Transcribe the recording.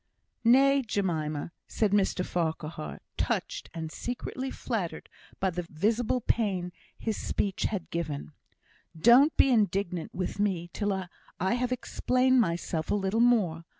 "Nay, Jemima!" said Mr Farquhar, touched, and secretly flattered by the visible pain his speech had given. "Don't be indignant with me till I have explained myself a little more.